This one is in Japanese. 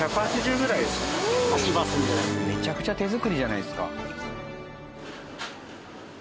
めちゃくちゃ手作りじゃないですか。